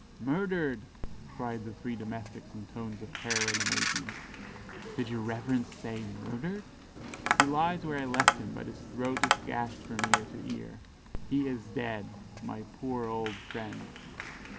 "Murdered!" cried the three domestics in tones of terror and amazement; "did your reverence say 'murdered'?" "He lies where I left him, but his throat is gashed from ear to ear he is dead. My poor old friend!"